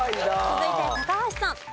続いて高橋さん。